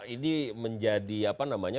ini menjadi apa namanya